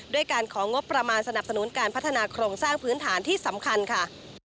ด้วยการของงบประมาณสนับสนุนการพัฒนาโครงสร้างพื้นฐานที่สำคัญค่ะ